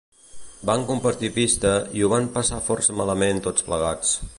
Van compartir pista i ho van passar força malament tots plegats.